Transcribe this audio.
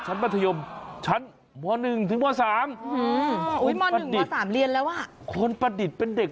คุณตอนม๑ม๓เราทำอะไร